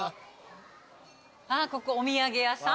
あっここお土産屋さん？